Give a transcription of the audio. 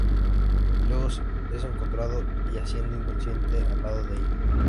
Luego, es encontrado yaciendo inconsciente al lado de ella.